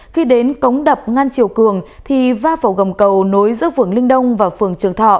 khi đến cống đập ngăn chiều cường thì va vào gầm cầu nối giữa vườn linh đông và phường trường thọ